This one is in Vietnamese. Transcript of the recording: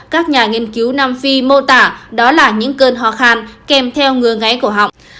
các nhà nghiên cứu nam phi mô tả đó là những cơn ho khan kèm theo ngứa ngáy của họng